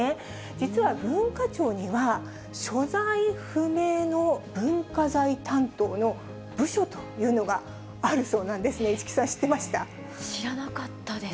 実は文化庁には、所在不明の文化財担当の部署というのがあるそうなんですね、知らなかったです。